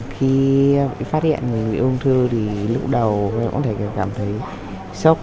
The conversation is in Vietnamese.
khi phát hiện người bị ung thư thì lũ đầu cũng thấy cảm thấy sốc